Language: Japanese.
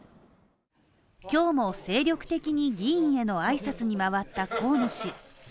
今日も、精力的に議員への挨拶に回った河野氏。